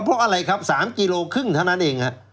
เพราะอะไรครับ๓กิโลครึ่งเท่านั้นเอง